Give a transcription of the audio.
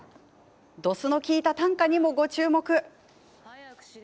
どすの効いたたんかにも、ご注目。